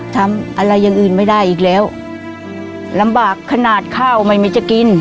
ทำอะไรอย่างอื่นไม่ได้อีกแล้วลำบากขนาดข้าวไม่มีจะกิน